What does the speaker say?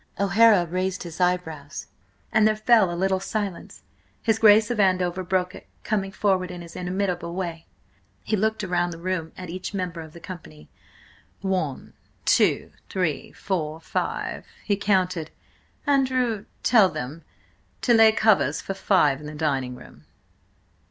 O'Hara raised his eyebrows, and there fell a little silence. His Grace of Andover broke it, coming forward in his inimitable way. He looked round the room at each member of the company. "One, two, three–four, five—" he counted. "Andrew, tell them to lay covers for five in the dining room."